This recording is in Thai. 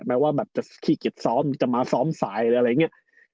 ไม่ว่าจะขี้เกียจซ้อมจะมาซ้อมสายอะไรอย่างนี้